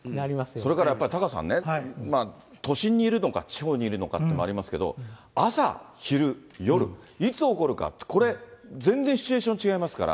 それからやっぱりタカさんね、都心にいるのか、地方にいるのかっていうのもありますけど、朝、昼、夜、いつ起こるかって、これ、全然シチュエーション違いますから。